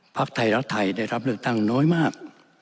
พักไทยรักไทยได้รับเลือกตั้งน้อยมาก